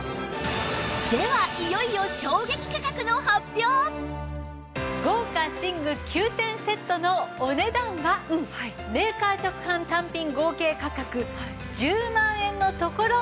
ではいよいよ豪華寝具９点セットのお値段はメーカー直販単品合計価格１０万円のところ。